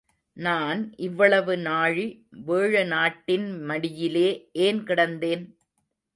நான் இவ்வளவு நாழி வேழநாட்டின் மடியிலே ஏன் கிடந்தேன்?.